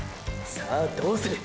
さあどうする！